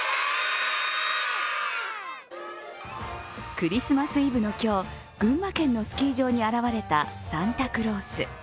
クリスマスイブの今日、群馬県のスキー場に現れたサンタクロース。